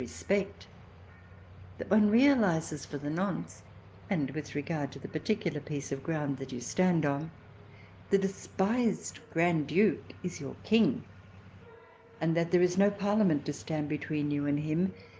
vii respect, that one realizes for the nonce, and with regard to the particular piece of ground that you stand on, the despised Grand Duke is your King, and that there is no parliament to stand between you and him.